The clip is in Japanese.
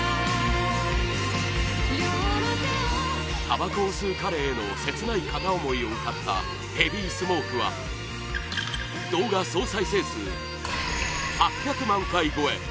たばこを吸う彼への切ない片思いを歌った「ヘビースモーク」は動画総再生数８００万回超え